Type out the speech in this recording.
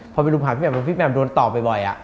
พอไปรุมหาพี่แมมพี่แหม่มโดนต่อบ่อย